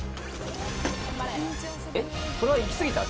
えっこれはいきすぎた？